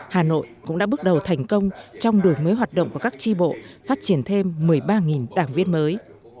hà nội cũng đã bước đầu thành công trong đổi mới hoạt động của các tri bộ phát triển thêm một mươi ba đảng viên mới